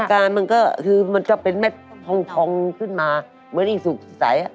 อาการมันก็คือมันจะเป็นแม็ดทองขึ้นมาเหมือนอีสุสัย